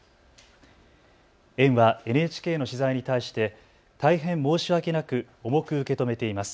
園はＮＨＫの取材に対して大変申し訳なく重く受け止めています。